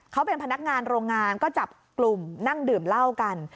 เขาเป็นพนักงานโรงงานก็จับกลุ่มนั่งดื่มเหล้ากัน